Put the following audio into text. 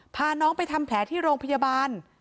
พาน้องไปทำแผลที่โรงพยาบาล